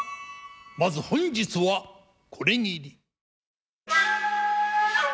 まず本日はこれぎり。